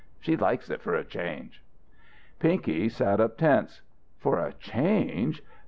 She likes it for a change." Pinky sat up, tense. "For a change?